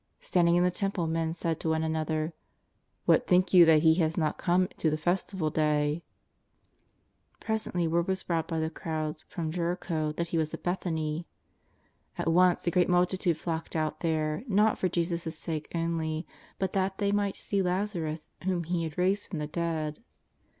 Standing in the Temple men said to one another: " What think you that He has not come to the fes tival day ?^' Presently word was brought by the crowds from Jericho that He was at Bethany. At once a great multitude flocked out there, not for Jesus' sake only, but that they might see Lazarus whom He had raised from the dead.